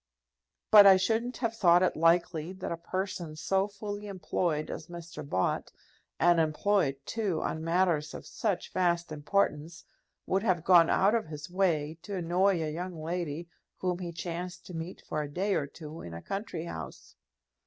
"But I shouldn't have thought it likely that a person so fully employed as Mr. Bott, and employed, too, on matters of such vast importance, would have gone out of his way to annoy a young lady whom he chanced to meet for a day or two in a country house."